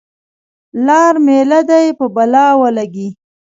لار میله دې په بلا ولګي.